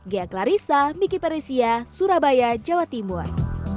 gaya clarissa miki parisia surabaya jawa timur